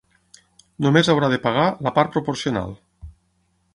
Només haurà de pagar la part proporcional.